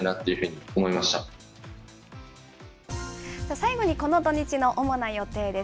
最後にこの土日の主な予定です。